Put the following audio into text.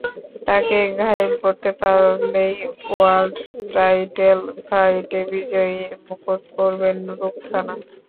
তাঁকে ঘায়েল করতে পারলেই ওয়ার্ল্ড টাইটেল ফাইটে বিজয়ীর মুকুট পরবেন রুখসানা।